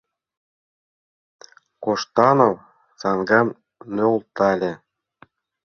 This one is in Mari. — Коштанов саҥгам нӧлтале.